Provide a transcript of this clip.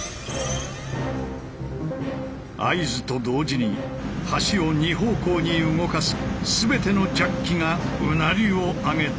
合図と同時に橋を２方向に動かす全てのジャッキがうなりを上げた。